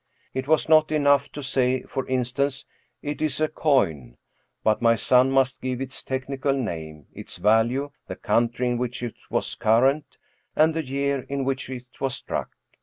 It was not enough to say, for instance, " It is a coin "; but my son must give its technical name, its value, the country in which it was current, and the year in which it was struck.